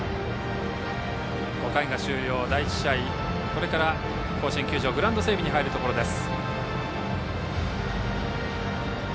５回終了、第１試合はこれから甲子園球場グラウンド整備に入るところです。